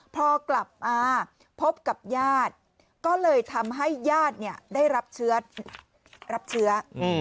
พอกลับมาพบกับญาติก็เลยทำให้ญาติได้รับเชื้อ